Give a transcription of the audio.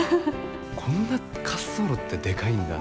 こんな滑走路ってでかいんだ。